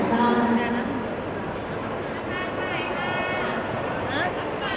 สวัสดีทุกคน